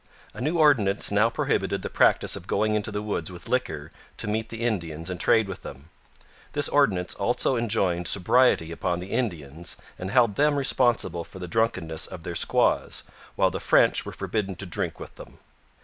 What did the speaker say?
A new ordinance now prohibited the practice of going into the woods with liquor to meet the Indians and trade with them. This ordinance also enjoined sobriety upon the Indians and held them responsible for the drunkenness of their squaws, while the French were forbidden to drink with them.